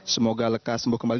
semoga lekas sembuh kembali